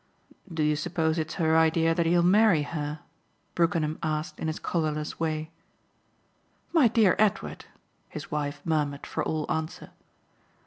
"Do you suppose it's her idea that he'll marry her?" Brookenham asked in his colourless way. "My dear Edward!" his wife murmured for all answer.